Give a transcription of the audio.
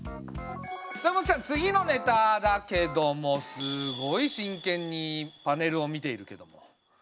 豊本ちゃん次のネタだけどもすごいしんけんにパネルを見ているけども。